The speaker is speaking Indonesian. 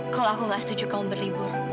kalau aku nggak setuju kamu berlibur